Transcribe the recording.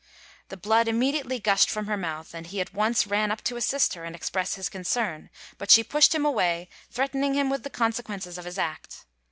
The blood immediately gushed from her mouth, and he at once ran up to assist her and express his concern; but she pushed him away, threatening him with the consequences of his act.